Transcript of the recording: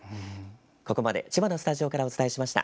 ここまで千葉のスタジオからお伝えしました。